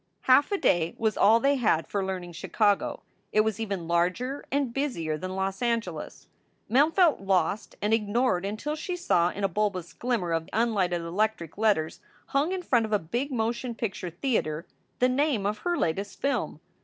Half a day was all they had for learning Chicago. It was even larger and busier than Los Angeles! Mem felt lost and ignored until she saw in a bulbous glimmer of unlighted electric letters hung in front of a big motion picture theater the name of her latest film.